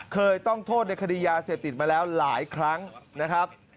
เคยต้องโทษในคดียาเสพติดมาแล้วหลายครั้งนะครับ